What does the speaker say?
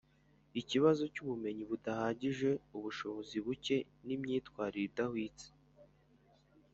Ikibazo cy ubumenyi budahagije ubushobozi buke n imyitwarire idahwitse